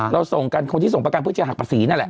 เราส่งกันคนที่ส่งประกันเพื่อจะหักภาษีนั่นแหละ